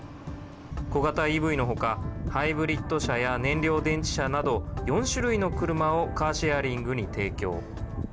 小型ＥＶのほか、ハイブリッド車や燃料電池車など、４種類の車をカーシェアリングに提供。